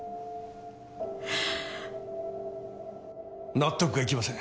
納得がいきません